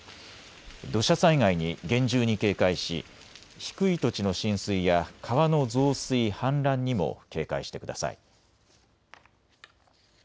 土砂災害に厳重に警戒し低い土地の浸水や川の増水、氾濫にも警戒してください。